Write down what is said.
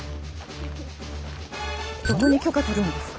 どこに許可取るんですか？